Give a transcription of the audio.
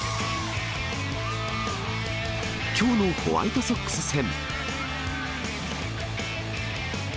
きょうのホワイトソックス戦。